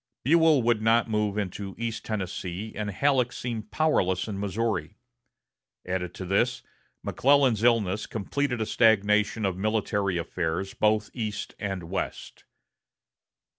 Buell would not move into East Tennessee, and Halleck seemed powerless in Missouri. Added to this, McClellan's illness completed a stagnation of military affairs both east and west.